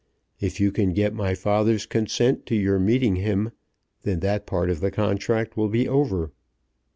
If you can get my father's consent to your meeting him, then that part of the contract will be over."